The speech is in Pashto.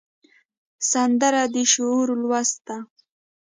سندره د شعور لوست ده